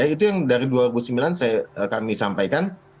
itu yang dari dua ribu sembilan kami sampaikan